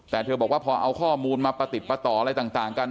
แต่เธอบอกว่าพอเอาข้อมูลมาประติดประต่ออะไรต่างกัน